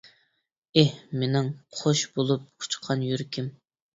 ئېھ، مېنىڭ قۇش بولۇپ ئۇچقان يۈرىكىم!